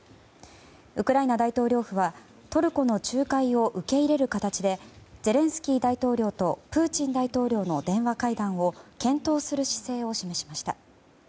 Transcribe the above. ウクライナ大統領府はトルコの仲介を受け入れる形でゼレンスキー大統領とプーチン大統領の電話会談を検討する姿勢を示しました。